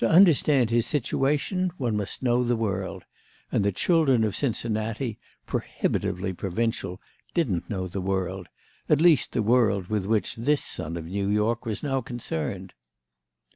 To understand his situation one must know the world, and the children of Cincinnati, prohibitively provincial, didn't know the world—at least the world with which this son of New York was now concerned.